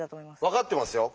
分かってますよ。